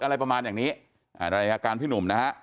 อะไรประมาณอย่างนี้อ่ารายการพี่หนุ่มนะฮะ